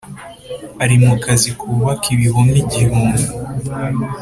Ari mu kazi mu kubaka ibihome igihumbi